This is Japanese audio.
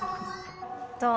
どう？